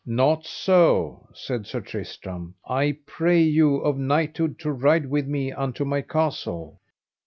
Not so, said Sir Tristram; I pray you of knighthood to ride with me unto my castle.